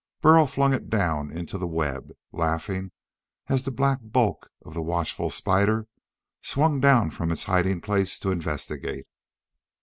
Burl flung it down into the web, laughing as the black bulk of the watchful spider swung down from its hiding place to investigate.